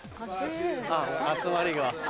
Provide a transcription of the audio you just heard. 集まりが。